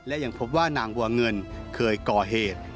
และยังพบว่านางบัวเงินเคยก่อเหตุ